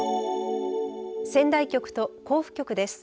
仙台局と甲府局です。